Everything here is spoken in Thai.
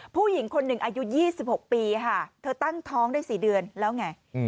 ผู้หญิงคนหนึ่งอายุ๒๖ปีค่ะเธอตั้งท้องได้๔เดือนแล้วไง